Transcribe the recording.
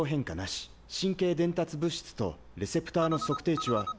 神経伝達物質とレセプターの測定値は。